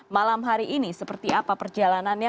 malam hari ini seperti apa perjalanannya